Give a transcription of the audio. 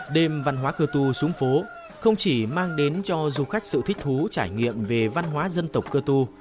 đêm văn hóa cơ tu xuống phố không chỉ mang đến cho du khách sự thích thú trải nghiệm về văn hóa dân tộc cơ tu